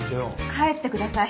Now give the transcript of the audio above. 帰ってください。